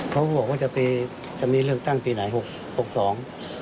เค้าบอกว่าจะมีเรื่องตั้งปีไหน๖๒